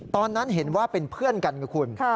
ตอนนั้นเห็นว่าเป็นเพื่อนกันกับคุณ